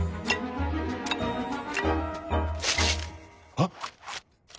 あっ！